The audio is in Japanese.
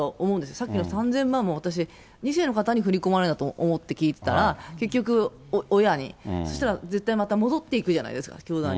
さっきの３０００万も、私、２世の方に振り込まれるんだと思って聞いてたら、結局、親に、そしたらまた戻っていくじゃないですか、教団に。